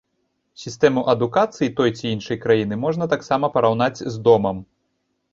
Сістэму адукацыі той ці іншай краіны можна таксама параўнаць з домам.